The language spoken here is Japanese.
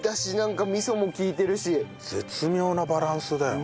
絶妙なバランスだよな。